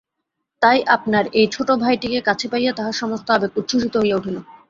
তাই আপনার এই ছোটো ভাইটিকে কাছে পাইয়া তাহার সমস্ত আবেগ উচ্ছ্বসিত হইয়া উঠিল।